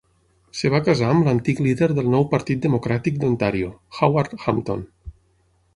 Es va casar amb l'antic líder del Nou Partit Democràtic d'Ontario, Howard Hampton.